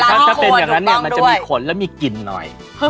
ถ้าเป็นอย่างนั้นเนี่ยมันจะมีขนแล้วมีกลิ่นหน่อย